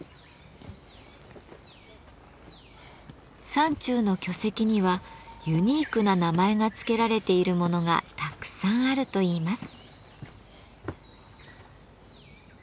山中の巨石にはユニークな名前が付けられているものがたくさんあるといいます。